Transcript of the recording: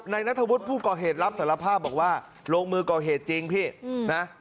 นัทธวุฒิผู้ก่อเหตุรับสารภาพบอกว่าลงมือก่อเหตุจริงพี่นะ